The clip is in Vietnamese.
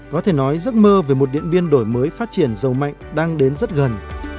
có thể nói giấc mơ về một điện biên đổi mới phát triển giàu mạnh đang đến rất gần